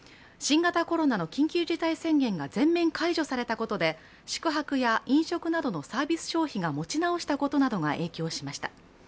新型コロナの緊急事態宣言が全面解除されたことで宿泊や飲食などのサービス消費が持ち直したことなどが影響しました。